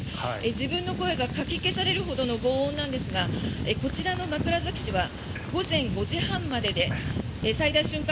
自分の声がかき消されるほどのごう音なんですがこちらの枕崎市は午前５時半までで最大瞬間